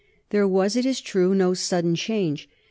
There was, it is true, no sudden change.